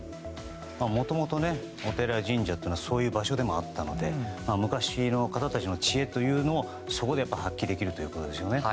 もともとお寺や神社というのはそういう場所でもあったので昔の方たちの知恵というのもそこで発揮できるということですよね。